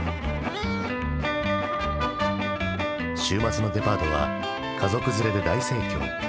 週末のデパートは家族連れで大盛況。